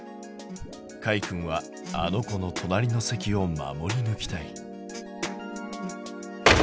かいくんはあの子の隣の席を守りぬきたい。